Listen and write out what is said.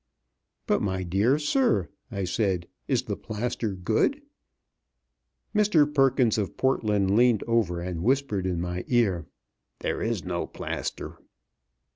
"But, my dear sir," I said, "is the plaster good?" Mr. Perkins of Portland leaned over and whispered in my ear, "There is no plaster."